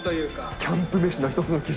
キャンプ飯の一つの基準。